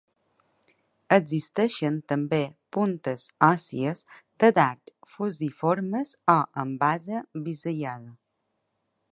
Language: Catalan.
Existeixen també puntes òssies de dard fusiformes o amb base bisellada.